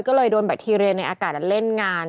ก็เลยโดนแบคทีเรียในอากาศเล่นงาน